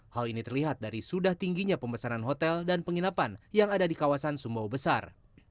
hal ini terlihat dari sudah tingginya pemesanan hotel dan penginapan yang ada di kawasan sumbawa besar